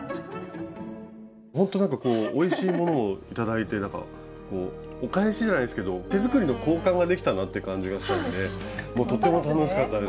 ほんとなんかおいしいものを頂いてなんかお返しじゃないですけど手作りの交換ができたなという感じがしたのでとても楽しかったです。